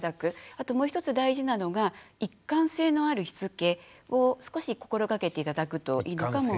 あともう一つ大事なのが一貫性のあるしつけを少し心がけて頂くといいのかも。